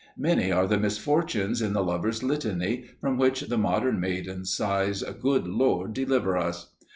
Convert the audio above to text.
Many are the misfortunes in the Lover's Litany, from which the modern maiden sighs, "Good Lord, deliver us!"